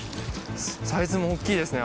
サイズも大っきいですね